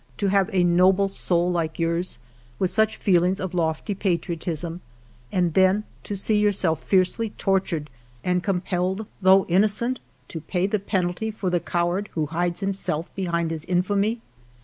To have a noble soul like yours, with such feelings of lofty patriotism, and then to see yourself fiercely tortured and compelled, though innocent, to pay the penalty for the coward who hides himself behind his in famy.